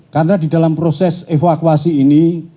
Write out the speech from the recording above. karena di dalam proses evakuasi ini